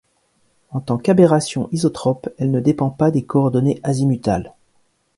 En tant qu'aberrations isotrope, elle ne dépend pas des coordonnées azimutales.